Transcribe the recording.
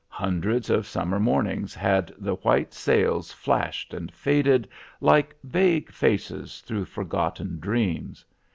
Hundreds of summer mornings had the white sails flashed and faded, like vague faces through forgotten dreams.